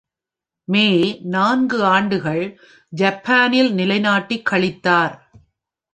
மே நான்கு ஆண்டுகள் ஜப்பானில் நிலைநாட்டி கழித்தார்.